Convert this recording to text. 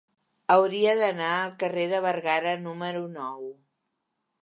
Hauria d'anar al carrer de Bergara número nou.